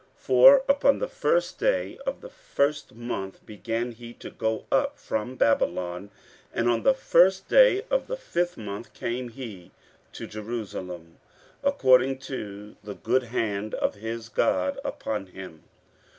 15:007:009 For upon the first day of the first month began he to go up from Babylon, and on the first day of the fifth month came he to Jerusalem, according to the good hand of his God upon him.